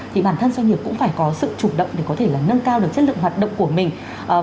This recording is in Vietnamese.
thì bản thân doanh nghiệp cũng phải có sự chủ động để có thể là nâng cao được chất lượng hoạt động của mình